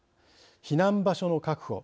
避難場所の確保